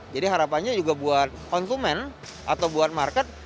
jadi harapannya juga buat konsumen atau buat market